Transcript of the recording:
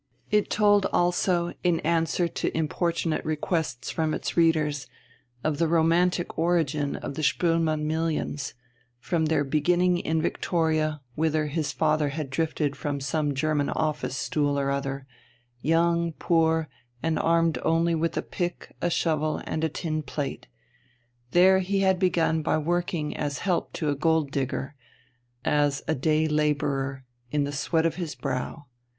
It told also, in answer to importunate requests from its readers of the romantic origin of the Spoelmann millions, from their beginning in Victoria, whither his father had drifted from some German office stool or other, young, poor, and armed only with a pick, a shovel, and a tin plate. There he had begun by working as help to a gold digger, as a day labourer, in the sweat of his brow.